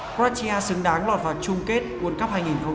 quartia xứng đáng lọt vào trung kết world cup hai nghìn một mươi tám